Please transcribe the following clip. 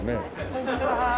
こんにちは。